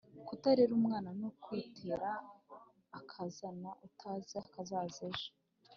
Kutarera umwana ni ukwitera akazana utazi akazaza ejo